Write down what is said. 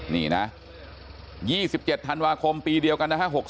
นี่นะ๒๗ธันวาคมปีเดียวกันนะฮะ